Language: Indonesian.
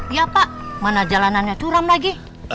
ya pak mana jalanannya curam lagi